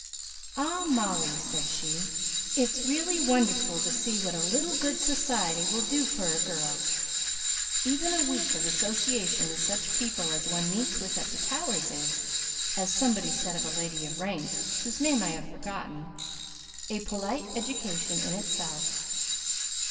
"Ah, Molly," said she, "it's really wonderful to see what a little good society will do for a girl. Even a week of association with such people as one meets with at the Towers is, as somebody said of a lady of rank whose name I have forgotten, 'a polite education in itself.'